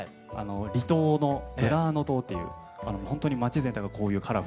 離島のブラーノ島という本当に町全体がこういうカラフルな。